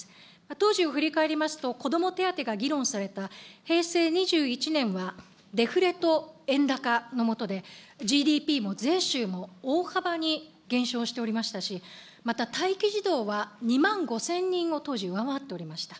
当時を振り返りますと、こども手当が議論された平成２１年は、デフレと円高のもとで、ＧＤＰも税収も、大幅に減少しておりましたし、また待機児童は２万５０００人を当時、上回っておりました。